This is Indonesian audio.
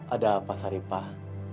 ada apa saripah